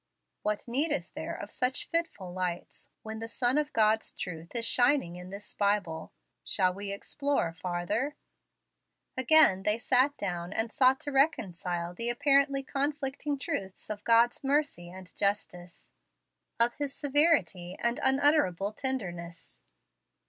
What need is there of such fitful lights, when the sun of God's truth is shining in this Bible? Shall we explore farther?" Again they sat down and sought to reconcile the apparently conflicting truths of God's mercy and justice, of His severity and unutterable tenderness.